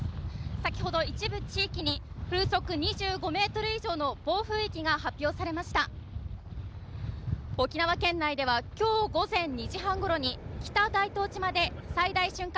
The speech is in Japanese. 先ほど一部地域に風速２５メートル以上の暴風域が発表されました沖縄県内ではきょう午前２時半ごろに北大東島で最大瞬間